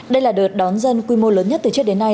đây là đợt đón dân quy mô lớn nhất từ trước đến nay